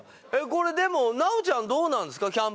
これでも奈緒ちゃんどうなんですか？